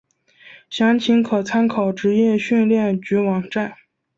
详情可参考职业训练局网站。